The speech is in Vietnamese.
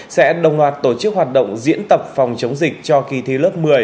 sẽ đồng loạt tổ chức hoạt động diễn tập phòng chống dịch cho kỳ thi lớp một mươi